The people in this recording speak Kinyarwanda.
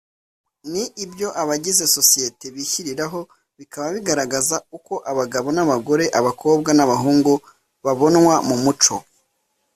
ni ibyo abagize sosiyete bishyiriraho bikaba bigaragaza uko abagabo n abagore abakobwa n abahungu babonwa mu muco